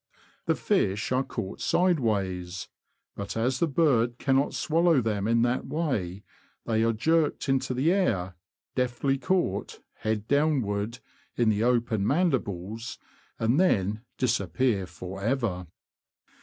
The fish are caught sideways ; but as the bird cannot swallow them in that way, they are jerked into the air, deftly caught, head downward, in the open mandibles^ and then disappear for ever.